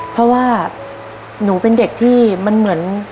เพราะว่าหนูเป็นเด็กที่มันเหมือน